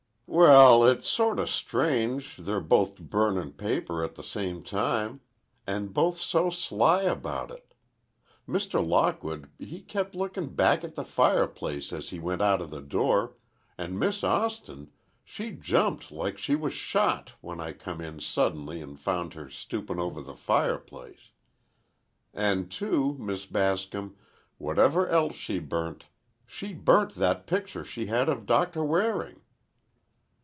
"Well, it's sorta strange they're both burnin' paper at the same time. And both so sly about it. Mr. Lockwood he kep' lookin' back at the fireplace as he went outa the door, and Miss Austin, she jumped like she was shot, when I come in suddenly an' found her stoopin' over the fireplace. An' too, Miss Bascom, whatever else she burnt, she burnt that picture she had of Doctor Waring."